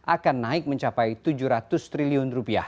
akan naik mencapai rp tujuh ratus triliun